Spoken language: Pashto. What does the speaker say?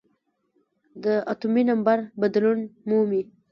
د اتومي نمبر بدلون مومي .